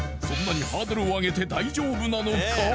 そんなにハードルを上げて大丈夫なのか？